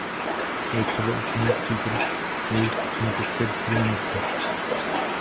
Je třeba učinit přítrž jejich systematické diskriminaci.